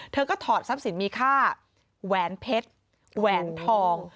เธอก็ถอดทรัพย์สินมีค่าแหวนเพชรแหวนทอง